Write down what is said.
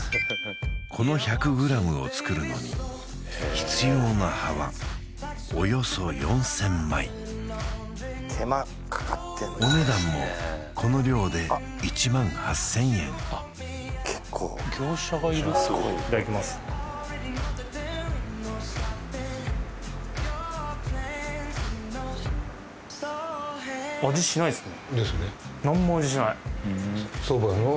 この１００ｇを作るのに必要な葉はおよそ４０００枚お値段もこの量で１８０００円いただきますですね